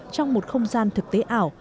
trong một không gian thực tế ảo